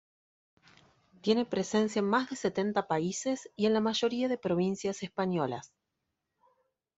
Tiene presencia en más de setenta países y en la mayoría de provincias españolas.